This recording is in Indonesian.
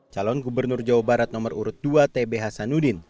calon gubernur jawa barat nomor urut dua tb hasanuddin